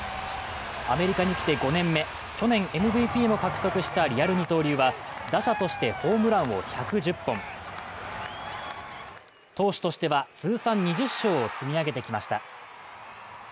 アメリカに来て５年目、去年、МＶＰも獲得したリアル二刀流は、打者としてホームランを１１０本、投手としては通算２０勝を積み上げてきました。